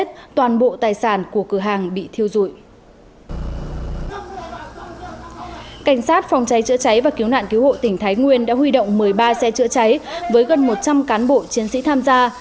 cảnh sát phòng cháy chữa cháy và cứu nạn cứu hộ tỉnh thái nguyên đã huy động một mươi ba xe chữa cháy với gần một trăm linh cán bộ chiến sĩ tham gia